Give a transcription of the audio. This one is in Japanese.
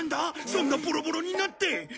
そんなボロボロになって。